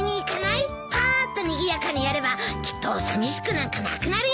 パーッとにぎやかにやればきっとさみしくなんかなくなるよ。